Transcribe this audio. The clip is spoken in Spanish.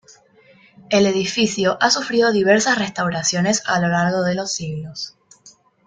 El edificio ha sufrido diversas restauraciones a lo largo de los siglos.